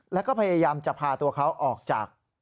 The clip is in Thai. แล้วก็พยายามจะพาตัวเขาออกจาก